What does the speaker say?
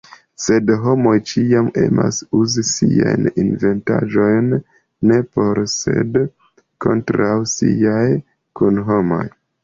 Sed homoj ĉiam emas uzi siajn inventaĵojn ne por sed kontraŭ siaj kunhomoj.